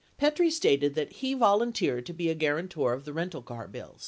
Petrie stated that he volunteered to be a guarantor of the rental car bills.